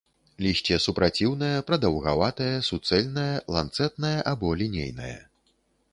Лісце супраціўнае, прадаўгаватае, суцэльнае, ланцэтнае або лінейнае.